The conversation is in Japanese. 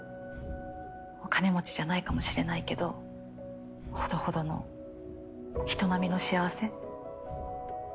お金持ちじゃないかもしれないけどほどほどの人並みの幸せ。